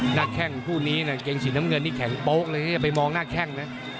แข้งคู่นี้นะเกงสีน้ำเงินนี่แข็งโป๊ะเลยที่จะไปมองหน้าแข้งนะ